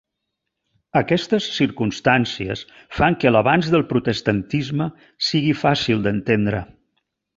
Aquestes circumstàncies fan que l'avanç del protestantisme sigui fàcil d'entendre.